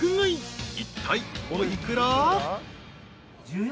いったいお幾ら？］